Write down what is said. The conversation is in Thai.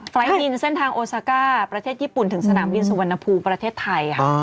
ไฟล์บินเส้นทางโอซาก้าประเทศญี่ปุ่นถึงสนามบินสุวรรณภูมิประเทศไทยค่ะ